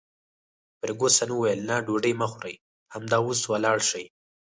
فرګوسن وویل: نه، ډوډۍ مه خورئ، همدا اوس ولاړ شئ.